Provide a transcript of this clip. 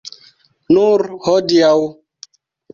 Nur hodiaŭ.